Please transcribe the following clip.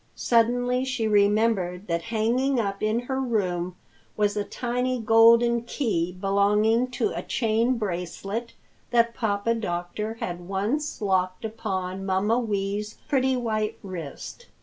Suddenly she remembered that hanging up in her room was a tiny golden key belonging to a chain bracelet that Papa Doctor had once locked upon Mamma Wee's pretty white wrist.